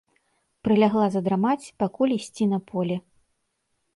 Прылягла задрамаць, пакуль ісці на поле.